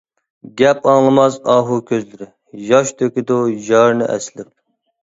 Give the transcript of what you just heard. گەپ ئاڭلىماس ئاھۇ كۆزلىرى، ياش تۆكىدۇ يارىنى ئەسلەپ.